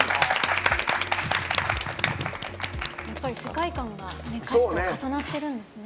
世界観が歌詞と重なってるんですね。